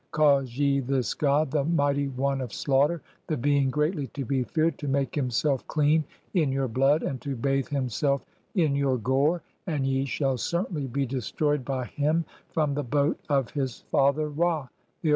"cause ye this god, the mighty one of slaughter, the being "greatly to be feared, to make himself clean in your blood and "to bathe (8) himself in your gore, and ye shall certainly be "destroyed by him (9) from the boat of his father Ra.